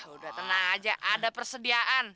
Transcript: udah tenang aja ada persediaan